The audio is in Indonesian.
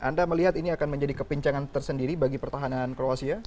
anda melihat ini akan menjadi kepincangan tersendiri bagi pertahanan kroasia